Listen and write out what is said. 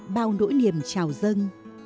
bao nỗi niềm chào dân